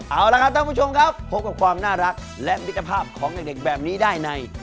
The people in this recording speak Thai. เอาละครับท่านผู้ชมครับพบกับความน่ารักและมิตรภาพของเด็กแบบนี้ได้ใน